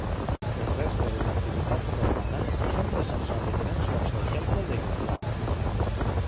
Les restes de l'antiguitat romana són presents a diferents llocs del terme de Llupià.